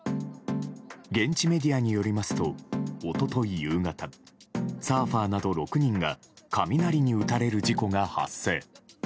現地メディアによりますと一昨日夕方サーファーなど６人が雷に打たれる事故が発生。